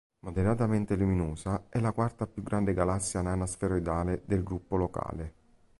Moderatamente luminosa, è la quarta più grande galassia nana sferoidale del Gruppo Locale.